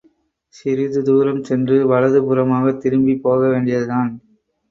சிறிது தூரம் சென்று வலது புறமாகத் திரும்பிப் போக வேண்டியதுதான்.